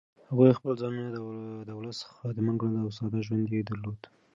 هغوی خپل ځانونه د ولس خادمان ګڼل او ساده ژوند یې درلود.